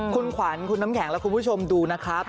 คุณขวัญคุณน้ำแข็งและคุณผู้ชมดูนะครับ